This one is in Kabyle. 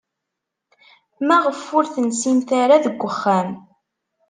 Maɣef ur tensimt ara deg uxxam?